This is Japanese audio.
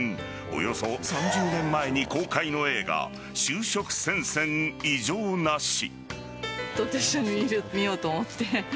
およそ３０年前に公開の映画「就職戦線異状なし」